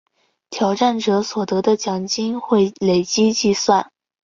挑战者所得的奖金会累积计算。